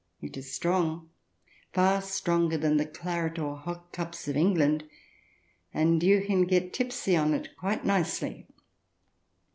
It is strong — far stronger than the claret or hock cups of England — and you can get tipsy on it quite nicely.